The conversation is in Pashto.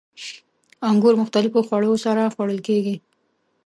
• انګور د مختلفو خوړو سره خوړل کېږي.